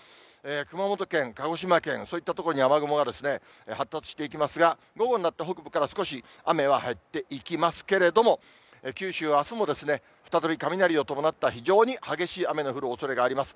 熊本県、鹿児島県、そういった所に雨雲が発達していきますが、午後になって北部から少し雨は減っていきますけれども、九州はあすも再び雷を伴った非常に激しい雨の降るおそれがあります。